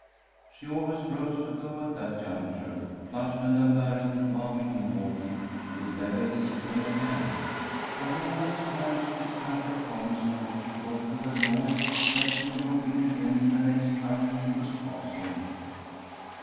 She always rose to go at that juncture, flushed and embarrassed, and vowing inwardly she would never visit them again. But they always managed to extract a promise before she got to the door that she would drop in again the next time she was passing.